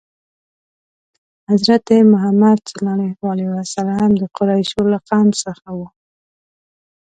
حضرت محمد ﷺ د قریشو له قوم څخه و.